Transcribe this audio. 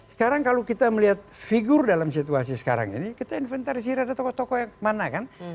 sekarang kalau kita melihat figur dalam situasi sekarang ini kita inventarisir ada tokoh tokoh yang mana kan